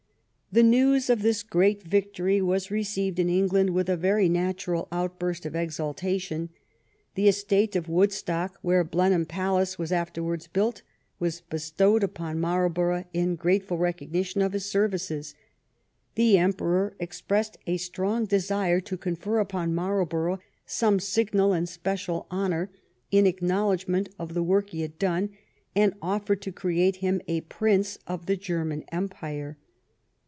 The news of this great victory was received in Eng land with a verv natural outburst of exultation. The estate of Woodstock, where Blenheim Palace was after wards built, was bestowed upon Marlborough in grate ful recognition of his services. The Emperor ex pressed a strong desire to confer upon Marlborough some signal and special honor in acknowledgment of the work he had done, and offered to create him a prince of the German empire.